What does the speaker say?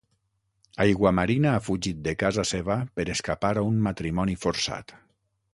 Aiguamarina ha fugit de casa seva per escapar a un matrimoni forçat.